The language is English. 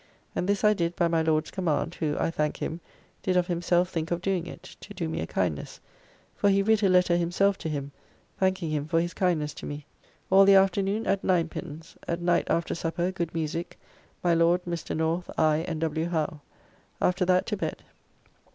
And this I did by my Lord's command, who, I thank him, did of himself think of doing it, to do me a kindness, for he writ a letter himself to him, thanking him for his kindness to me. All the afternoon at ninepins, at night after supper good musique, my Lord, Mr. North, I and W. Howe. After that to bed.